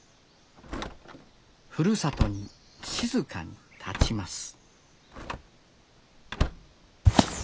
ふるさとに静かにたちます